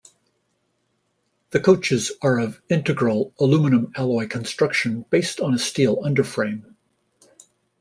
The coaches are of integral aluminium alloy construction based on a steel underframe.